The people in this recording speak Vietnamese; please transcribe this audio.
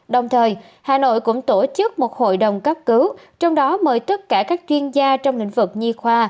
đồng thời hà nội cũng tổ chức một hội đồng cấp cứu trong đó mời tất cả các chuyên gia trong lĩnh vực nhi khoa